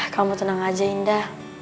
kamu tenang aja indah